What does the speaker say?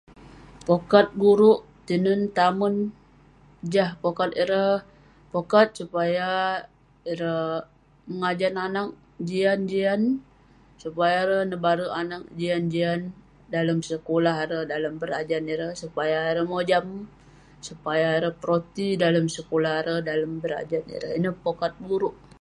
Pokat guruk, tinen tamen, jah pokat ireh pokat supaya ireh mengajan anag jian jian, supaya ireh nebare anag jian jian. dalem sekulah ireh, dalem berajan ireh supaya ireh mojam, supaya ireh peroti dalem sekulah ireh, dalem berajan ireh. Ineh pokat guruk.